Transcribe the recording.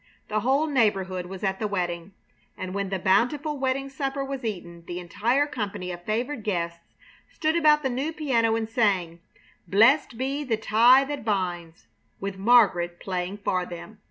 The whole neighborhood was at the wedding. And when the bountiful wedding supper was eaten the entire company of favored guests stood about the new piano and sang "Blest Be the Tie that Binds" with Margaret playing for them.